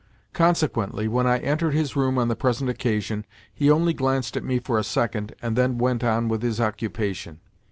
Consequently, when I entered his room on the present occasion, he only glanced at me for a second and then went on with his occupation.